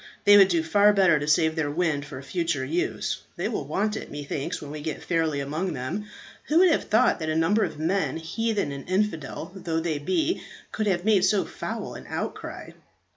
They would do far better to save their wind for future use. They will want it, methinks, when we get fairly among them. Who would have thought that a number of men, heathen and infidel though they be, could have made so foul an outcry?"